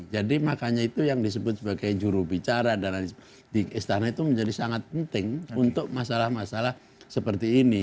jadi makanya itu yang disebut sebagai jurubicara dan di istana itu menjadi sangat penting untuk masalah masalah seperti ini